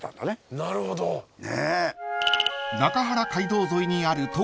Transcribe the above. なるほどね。